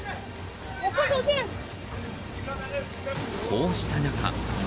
こうした中。